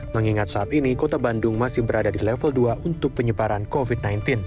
mengingat saat ini kota bandung masih berada di level dua untuk penyebaran covid sembilan belas